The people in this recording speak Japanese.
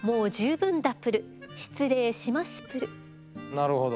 なるほど。